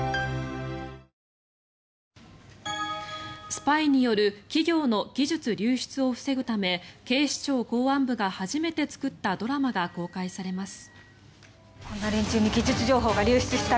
スパイによる企業の技術流出を防ぐため警視庁公安部が初めて作ったドラマが公開されます。